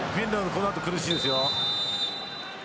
この後、苦しいですよ。